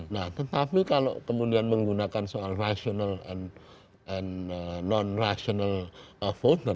nah tetapi kalau kemudian menggunakan soal rasional and non rational voter